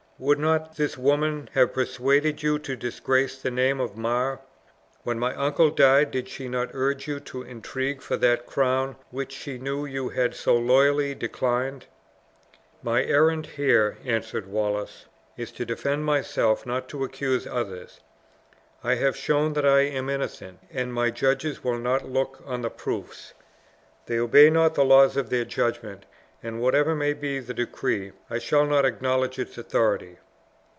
Would not this woman have persuaded you to disgrace the name of Mar? When my uncle died, did she not urge you to intrigue for that crown which she knew you had so loyally declined?" "My errand here," answered Wallace, "is to defend myself, not to accuse others. I have shown that I am innocent, and my judges will not look on the proofs. They obey not the laws in their judgment, and whatever may be the decree, I shall not acknowledge its authority."